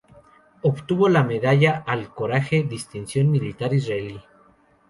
Obtuvo la Medalla al Coraje, distinción militar israelí.